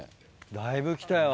だいぶ来たよ